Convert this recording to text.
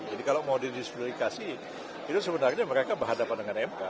kalau mau didiskulifikasi itu sebenarnya mereka berhadapan dengan mk